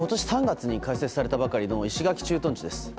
ここは今年３月に開設されたばかりの石垣駐屯地です。